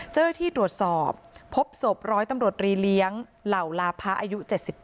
เจ้าหน้าที่ตรวจสอบพบศพร้อยตำรวจรีเลี้ยงเหล่าลาพะอายุ๗๘